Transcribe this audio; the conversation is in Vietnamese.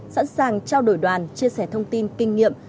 sẵn sàng trao đổi đoàn chia sẻ thông tin kinh nghiệm